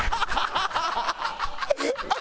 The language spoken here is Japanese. ハハハハ！